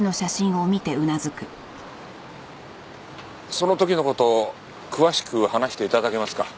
その時の事詳しく話して頂けますか？